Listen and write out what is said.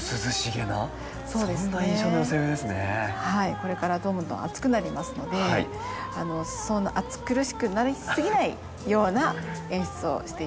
これからどんどん暑くなりますのでそんな暑苦しくなりすぎないような演出をしています。